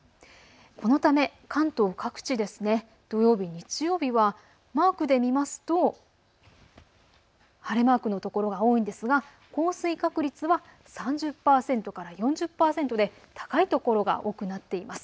このため関東各地、土曜日、日曜日はマークで見ますと晴れマークの所が多いんですが、降水確率は３０％から４０％で高い所が多くなっています。